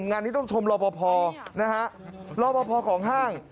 งานนี้ต้องชมรอปภนะฮะรอบพอของห้าง